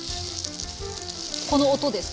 この音ですか。